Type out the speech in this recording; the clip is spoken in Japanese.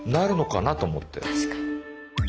確かに。